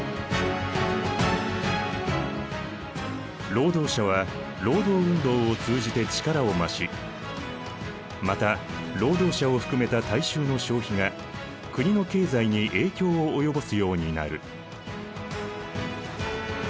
労働者は労働運動を通じて力を増しまた労働者を含めた大衆の消費が国の経済に影響を及ぼすようになる。